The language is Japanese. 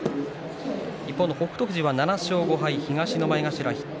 一方の北勝富士は７勝５敗東の前頭筆頭。